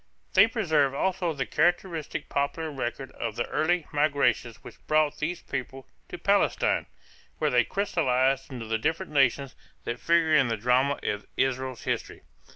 They preserve also the characteristic popular record of the early migrations which brought these peoples to Palestine, where they crystalized into the different nations that figure in the drama of Israel's history.